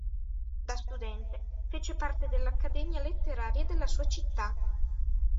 Da studente fece parte dell'Accademia letteraria della sua città.